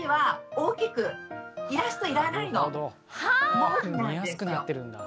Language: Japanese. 見やすくなってるんだ。